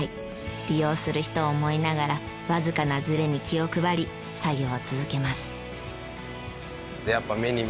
利用する人を思いながらわずかなズレに気を配り作業を続けます。